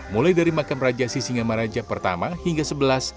mulai dari makam raja sisingamaraja i hingga xi